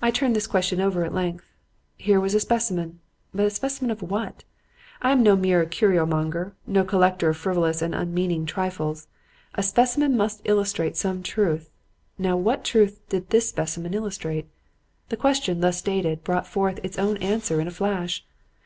"I turned this question over at length. Here was a specimen. But a specimen of what? I am no mere curio monger, no collector of frivolous and unmeaning trifles. A specimen must illustrate some truth. Now what truth did this specimen illustrate? The question, thus stated, brought forth its own answer in a flash.